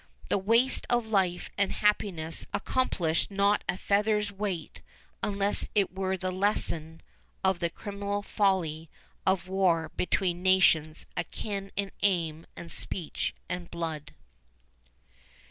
The waste of life and happiness accomplished not a feather's weight unless it were the lesson of the criminal folly of a war between nations akin in aim and speech and blood.